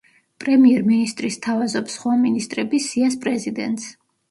პრემიერ მინისტრი სთავაზობს სხვა მინისტრების სიას პრეზიდენტს.